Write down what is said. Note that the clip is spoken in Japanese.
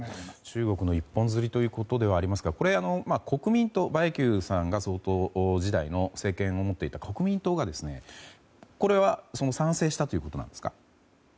中国の一本釣りということではありますが国民と馬英九さんが政権を持っていた国民党が賛成したということですか。